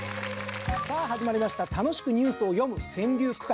さあ始まりました『楽しくニュースを詠む川柳９会』。